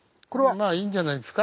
まあいいんじゃないですか？